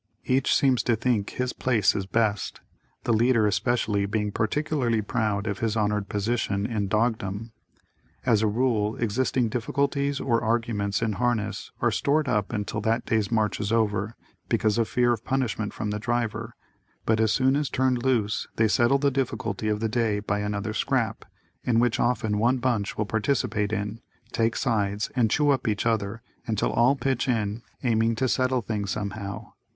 Each seems to think his place is best, the leader especially being particularly proud of his honored position in "Dogdom." As a rule, existing difficulties or arguments in harness are stored up until that day's march is over, because of fear of punishment from the driver, but as soon as turned loose, they settle the difficulty of the day by another scrap, in which often one bunch will participate in, "take sides," and chew up each other, until all pitch in, aiming to settle things somehow.